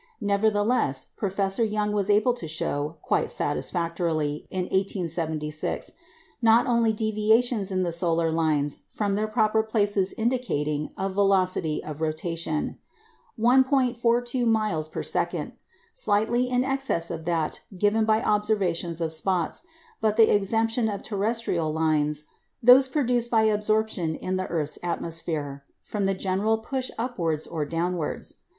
Nevertheless, Professor Young was able to show quite satisfactorily, in 1876, not only deviations in the solar lines from their proper places indicating a velocity of rotation (1·42 miles per second) slightly in excess of that given by observations of spots, but the exemption of terrestrial lines (those produced by absorption in the earth's atmosphere) from the general push upwards or downwards.